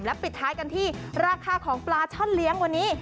ปิดท้ายกันที่ราคาของปลาช่อนเลี้ยงวันนี้